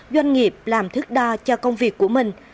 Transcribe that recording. doanh nghiệp làm thức đo cho công việc của mình